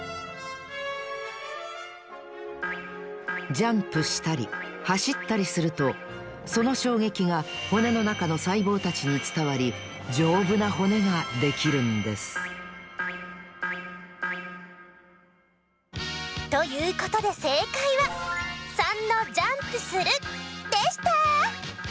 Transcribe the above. ジャンプしたりはしったりするとそのしょうげきが骨のなかのさいぼうたちにつたわりじょうぶな骨ができるんですということでせいかいは③のジャンプするでした！